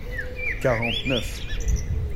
quarante neuf.